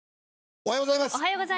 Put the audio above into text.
おはようございます。